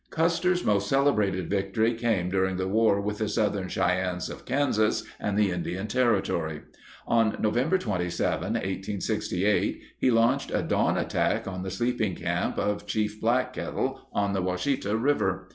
Custer's most celebrated victory came during the 20 war with the Southern Cheyennes of Kansas and the Indian Territory. On November 27, 1868, he launched a dawn attack on the sleeping camp of Chief Black Kettle on the Washita River.